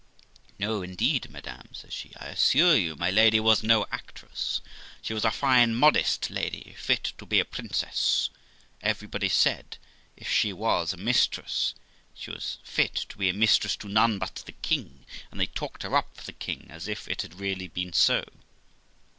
'No, indeed, madam', says she, 'I assure you my lady was no actress; she was a fine modest lady, fit to be a princess; everybody said if she was a mistress, she was fit to be a mistress to none but the king; and they talked her up for the king as if it had really been so.